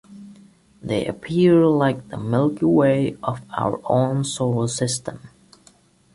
They appear like the Milky Way of our own solar system.